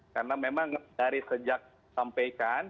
karena memang dari sejak sampaikan